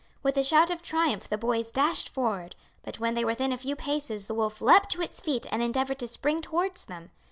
With a shout of triumph the boys dashed forward, but when they were within a few paces the wolf leapt to its feet and endeavoured to spring towards them.